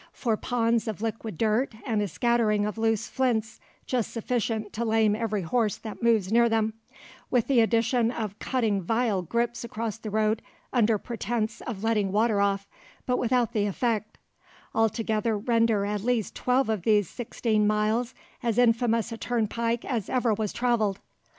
For ponds of liquid dirt and a scattering of loose flints just sufficient to lame every horse that moves near them, with the addition of cutting vile grips across the road, under pretence of letting water off, but without the effect, altogether render at least twelve of these sixteen miles as infamous a turnpike as ever was travelled.